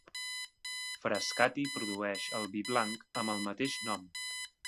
Frascati produeix el vi blanc amb el mateix nom.